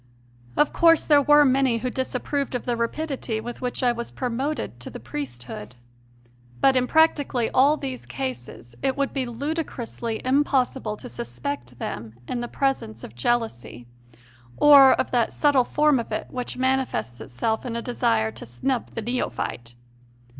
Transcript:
Of course there were many who disapproved of the rapidity with which I was pro moted to the priesthood, but in practically all these i 4 6 CONFESSIONS OF A CONVERT cases it would be ludicrously impossible to suspect in them the presence of jealousy or of that subtle form of it which manifests itself in a desire to snub the neophyte.